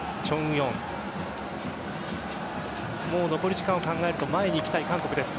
残り時間を考えると前に行きたい韓国です。